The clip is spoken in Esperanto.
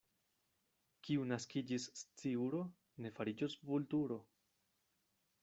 Kiu naskiĝis sciuro, ne fariĝos vulturo.